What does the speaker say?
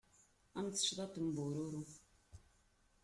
Am tecḍaḍt n bururu.